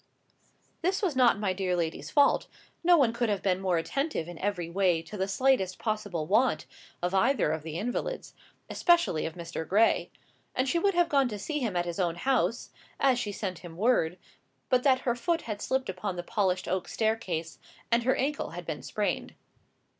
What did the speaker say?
This was not my dear lady's fault; no one could have been more attentive in every way to the slightest possible want of either of the invalids, especially of Mr. Gray. And she would have gone to see him at his own house, as she sent him word, but that her foot had slipped upon the polished oak staircase, and her ankle had been sprained.